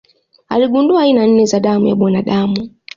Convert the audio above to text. Aligundua aina nne za damu ya mwanadamu.